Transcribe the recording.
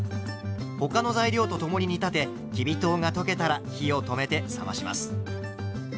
他の材料と共に煮立てきび糖が溶けたら火を止めて冷まします。